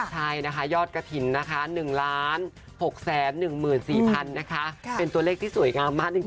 ใช่ยอดกระถิ่น๑๖๑๔๐๐๐บาทเป็นตัวเลขที่สวยงามมากจริง